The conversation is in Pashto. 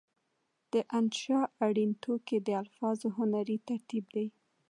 د انشأ اړین توکي د الفاظو هنري ترتیب دی.